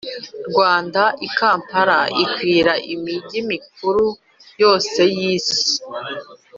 rwanda i kampala ikwira imirwa mikuru yose y'isi